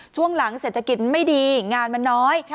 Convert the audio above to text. ช่วงหลังเศรษฐกิจไม่ดีงานมันน้อย